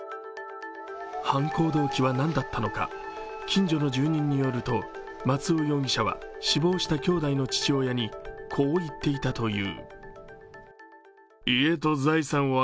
犯行動機は何だったのか、近所の住人によると松尾容疑者は死亡した兄弟の父親に、こう言っていたという。